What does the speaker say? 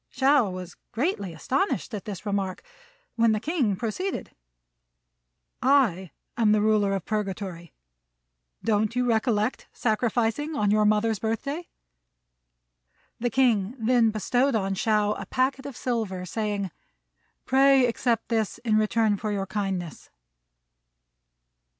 Shao was greatly astonished at this remark, when the King proceeded, "I am the Ruler of Purgatory. Don't you recollect sacrificing on your mother's birthday?" The King then bestowed on Shao a packet of silver, saying, "Pray accept this in return for your kindness."